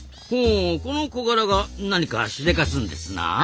ほうこのコガラが何かしでかすんですな？